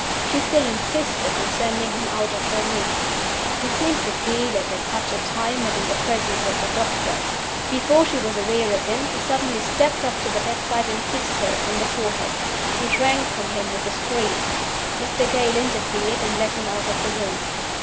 She still insisted on sending him out of her room. He seemed to feel it at such a time, and in the presence of the doctor. Before she was aware of him, he suddenly stepped up to the bedside and kissed her on the forehead. She shrank from him with a scream. Mr. Gale interfered, and led him out of the room.